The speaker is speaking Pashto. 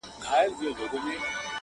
• د پښتو ادب نړۍ ده پرې روښانه,